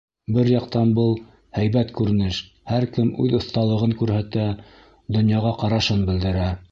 Бер яҡтан был — һәйбәт күренеш: һәр кем үҙ оҫталығын күрһәтә, донъяға ҡарашын белдерә.